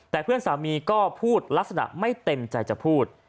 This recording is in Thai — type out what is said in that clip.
แต่เพื่อนสามีก็พูดลักษณะไม่เต็มใจจะพูด